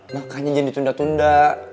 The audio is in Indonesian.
makanya jangan ditunda tunda